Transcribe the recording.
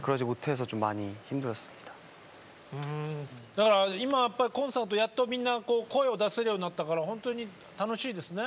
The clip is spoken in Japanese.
だから今やっぱりコンサートやっとみんな声を出せるようになったから本当に楽しいですね。